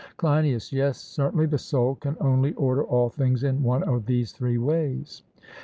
CLEINIAS: Yes, certainly; the soul can only order all things in one of these three ways.